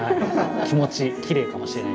気持ちきれいかもしれない。